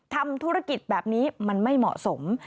ทำธุรกิจแบบนี้มันไม่เหมาะสม